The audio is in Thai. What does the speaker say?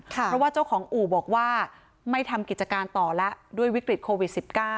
เพราะว่าเจ้าของอู่บอกว่าไม่ทำกิจการต่อแล้วด้วยวิกฤตโควิด๑๙